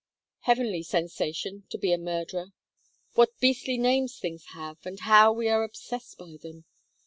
"Heavenly sensation to be a murderer. What beastly names things have and how we are obsessed by them!